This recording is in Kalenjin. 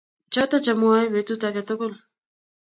Choto chamwae betut age tugul